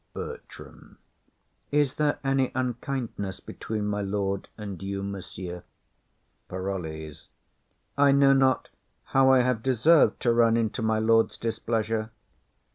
BERTRAM. Is there any unkindness between my lord and you, monsieur? PAROLLES. I know not how I have deserved to run into my lord's displeasure.